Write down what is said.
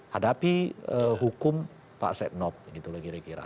hadapi hukum pak setnop gitu lah kira kira